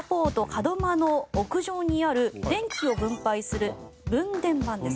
門真の屋上にある電気を分配する分電盤です。